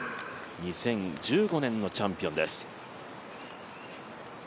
２０１５年のチャンピオンです。